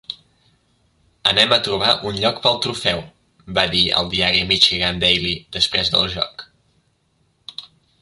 "Anem a trobar un lloc pel trofeu", va dir al diari Michigan Daily després del joc.